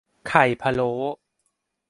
ไข่พะโล้